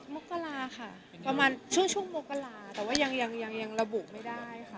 มกราค่ะประมาณช่วงมกราแต่ว่ายังยังระบุไม่ได้ค่ะ